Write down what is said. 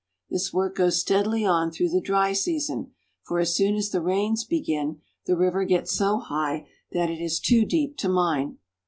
This work goes steadily on through the dry season, for as soon as the rains begin the river gets so high that it is too deep to mine.